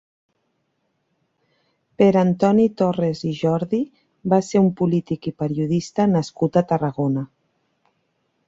Pere Antoni Torres i Jordi va ser un polític i periodista nascut a Tarragona.